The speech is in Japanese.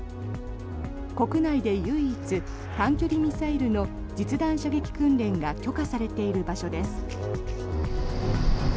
国内で唯一短距離ミサイルの実弾射撃訓練が許可されている場所です。